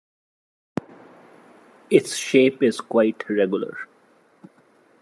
Its shape is quite regular.